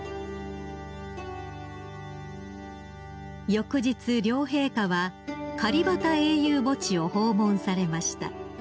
［翌日両陛下はカリバタ英雄墓地を訪問されました］